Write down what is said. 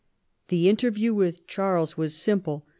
The interview with Charles was simple.